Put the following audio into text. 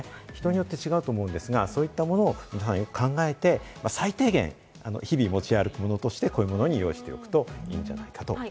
人によって違うと思うんですが、そういったものを考えて最低限、日々持ち歩くものとしてこういうものに用意しておくといいんじゃないかと。